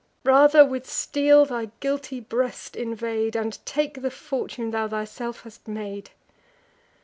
Rather with steel thy guilty breast invade, And take the fortune thou thyself hast made.